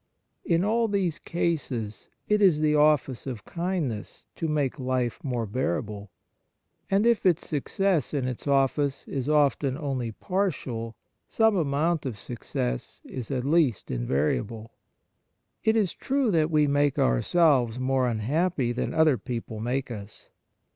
In all these cases it is the office of kindness to make life more bear able, and if its success in its office is often only partial, some amount of success is at least invariable. It is true that we make ourselves more unhappy than other people make us.